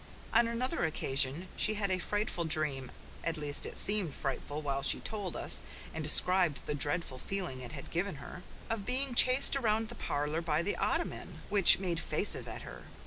On another occasion she had a frightful dream at least, it seemed frightful while she told us and described the dreadful feeling it had given her of being chased around the parlour by the ottoman, which made faces at her.